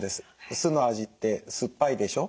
酢の味って酸っぱいでしょ。